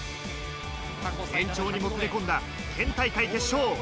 延長にもつれ込んだ県大会決勝。